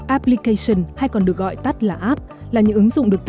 application hay còn được gọi tắt là app là những ứng dụng được tạo ra